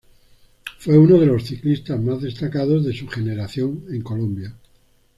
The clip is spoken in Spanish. Fue uno de los ciclistas más destacados de su generación en Colombia.